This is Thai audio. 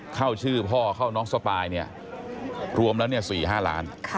เข้าชื่อพ่อเข้าน้องสปายเนี่ยรวมแล้ว๔๕ล้าน